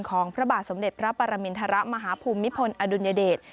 พระบาทสมเด็จพระปรมินทรมาฮภูมิพลอดุลยเดช